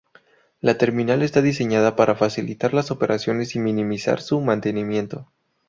La terminal está diseñada para facilitar las operaciones y minimizar su mantenimiento.